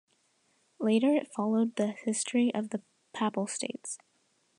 Later it followed the history of the Papal States.